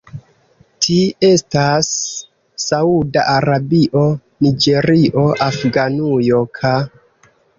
Ti estas Sauda Arabio, Niĝerio, Afganujo ka.